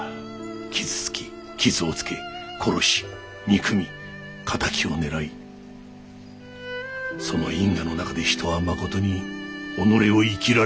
傷つき傷をつけ殺し憎み敵を狙いその因果の中で人はまことに己を生きられるのか。